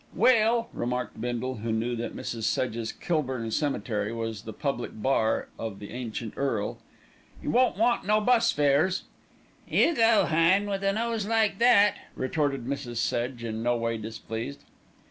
"Well," remarked Bindle, who knew that Mrs. Sedge's "Kilburn Cemetery" was the public bar of The Ancient Earl, "you won't want no bus fares." "You go hon, with a nose like that," retorted Mrs. Sedge, in no way displeased.